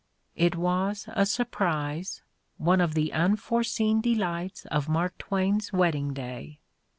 It was a surprise, one of the unforeseen delights of Mark Twain's wedding day!